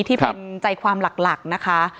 ที่เป็นใจความหลักนะคะ